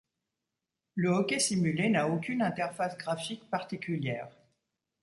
Le hockey simulé n'a aucune interface graphique particulière.